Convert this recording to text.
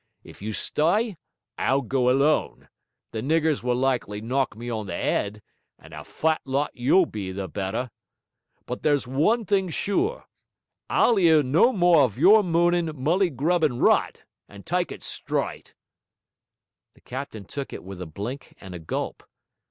If you st'y I'll go alone; the niggers will likely knock me on the 'ead, and a fat lot you'll be the better! But there's one thing sure: I'll 'ear no more of your moonin', mullygrubbin' rot, and tyke it stryte.' The captain took it with a blink and a gulp.